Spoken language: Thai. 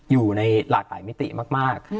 อยู่ในหลากหลายมิติมาก